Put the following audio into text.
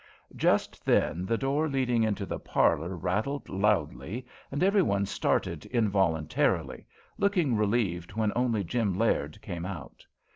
Just then the door leading into the parlour rattled loudly and every one started involuntarily, looking relieved when only Jim Laird came out.